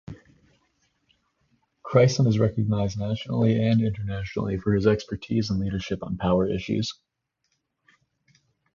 Crisson is recognized nationally and internationally for his expertise and leadership on power issues.